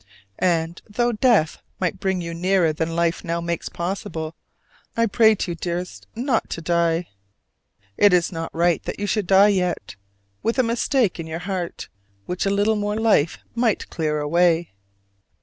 And, though death might bring you nearer than life now makes possible, I pray to you, dearest, not to die. It is not right that you should die yet, with a mistake in your heart which a little more life might clear away.